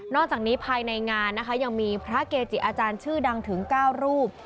จากนี้ภายในงานนะคะยังมีพระเกจิอาจารย์ชื่อดังถึง๙รูป